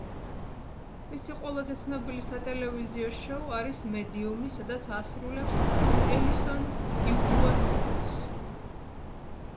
მისი ყველაზე ცნობილი სატელევიზიო შოუ არის „მედიუმი“, სადაც ასრულებს ელისონ დიუბუას როლს.